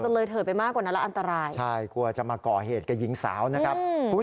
น่ากลัวจะมาก่อเหตุกระยิ่งสาวนะครับ